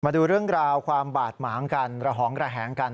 มาดูเรื่องราวความบาดหมางกันระหองระแหงกัน